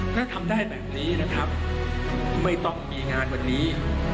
ถ้าทำได้แบบนี้นะครับไม่ต้องมีงานวันนี้